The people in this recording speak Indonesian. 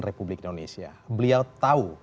republik indonesia beliau tahu